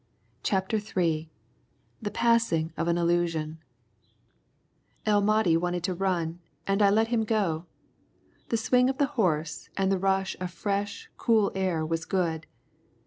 CHAPTER III THE PASSING OF AN ILLUSION El Mahdi wanted to run, and I let him go. The swing of the horse and the rush of fresh, cool air was good.